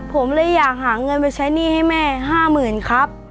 ผมเลยอยากหาเงินไปใช้หนี้ให้แม่๕๐๐๐ครับ